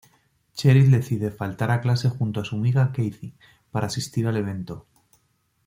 Cheryl decide faltar a clase junto a su amiga Kathy para asistir al evento.